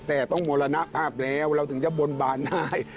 แต่ต้องมรณภาพแล้วเราถึงจะบนบานได้